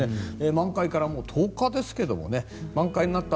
満開から１０日ですが満開になった